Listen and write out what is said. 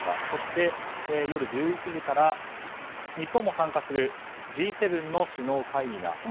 そして、夜１１時から日本も参加するＧ７の首脳会議が。